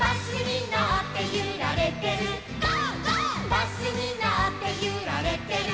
「バスにのってゆられてる」